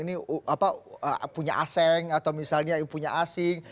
ini apa punya asing atau misalnya punya asing